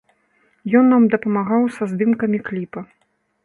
Ён нам дапамагаў са здымкамі кліпа.